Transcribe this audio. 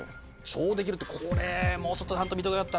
「庁」できるってこれもうちょっと。